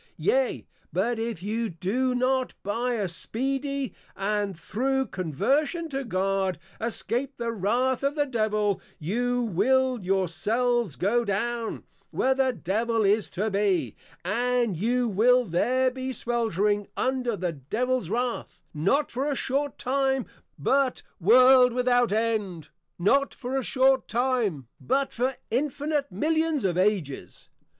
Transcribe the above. _ Yea, but if you do not by a speedy and through Conversion to God, escape the Wrath of the Devil, you will your selves go down, where the Devil is to be, and you will there be sweltring under the Devils Wrath, not for a short Time, but, World without end; not for a Short Time, but for Infinite Millions of Ages.